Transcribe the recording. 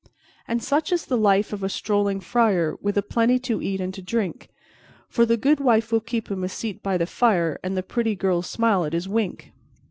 "And such is the life of the strolling friar, With aplenty to eat and to drink; For the goodwife will keep him a seat by the fire, And the pretty girls smile at his wink.